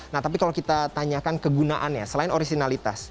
nah tapi kalau kita tanyakan kegunaannya selain originalitas